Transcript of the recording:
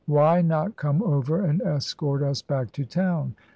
"Why not come over and escort us back to town?"